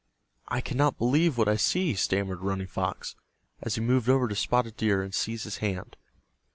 "I cannot believe what I see," stammered Running Fox, as he moved over to Spotted Deer and seized his hand.